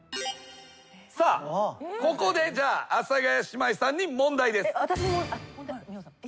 さあここでじゃあ阿佐ヶ谷姉妹さんに問題です。